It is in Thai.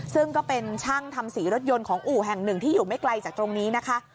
ซึ่งก็เป็นช่างทำสีรถยนต์ของอู่แห่งหนึ่งที่อยู่ไม่ไกลจากตรงนี้นะคะ